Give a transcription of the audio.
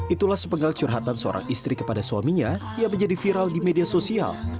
itulah sepenggal curhatan seorang istri kepada suaminya yang menjadi viral di media sosial